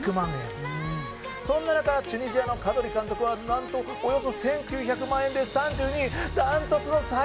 そんな中チュニジアのカドリ監督は何と、およそ１９００万円で３２位。